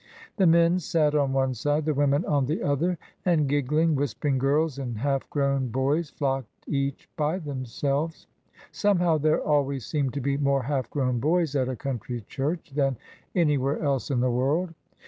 The men sat on one side, the women on the other, and giggling, whispering girls and half grown boys flocked each by themselves. Somehow, there always seem to be more half grown boys at a country church than anywhere else in the world.